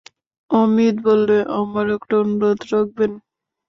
অমিত বললে, আমার একটা অনুরোধ রাখবেন?